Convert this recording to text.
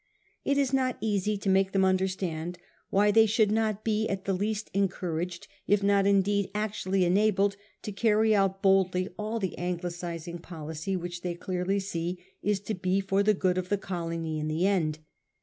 It is not easy to make them understand why they should not be at the least encouraged, if not indeed actually enabled, to carry boldly out the Anglicising policy which they clearly see is to be for the good of the colony in the end.